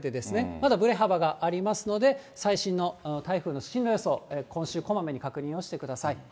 まだぶれ幅がありますので、最新の台風の進路予想、今週、こまめに確認をしてください。